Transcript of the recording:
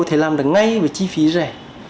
có thể làm được ngay với chi phí rẻ